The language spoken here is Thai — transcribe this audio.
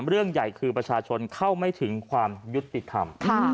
เรื่องใหญ่คือประชาชนเข้าไม่ถึงความยุติธรรม